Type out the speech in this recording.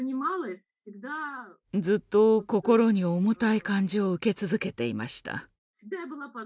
ずっと心に重たい感じを受け続けていました。